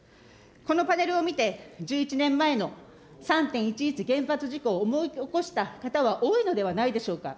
このパネルを見て、１１年前の３・１１原発事故を思い起こした方は多いのではないでしょうか。